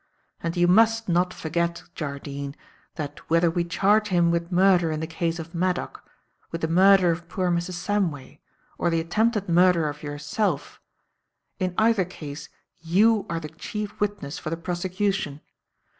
And you must not forget, Jardine, that whether we charge him with murder in the case of Maddock, with the murder of poor Mrs. Samway, or the attempted murder of yourself, in either case you are the chief witness for the prosecution.